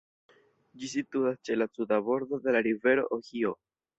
Ĝi situas ĉe la suda bordo de la rivero Ohio.